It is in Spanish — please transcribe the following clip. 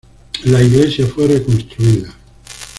La Iglesia fue reconstruida.